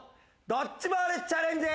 ドッジボールチャレンジ。